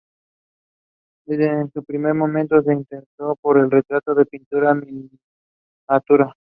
Desde un primer momento se interesó por el retrato y la pintura en miniatura.